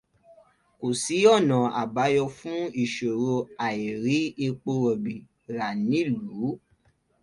Kọ́ sí ọ̀nà àbáyọ fún ìṣòro àìrí epo rọ̀bì rà nílùú.